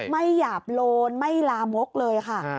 หยาบโลนไม่ลามกเลยค่ะ